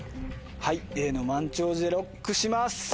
はいＡの満潮時でＬＯＣＫします。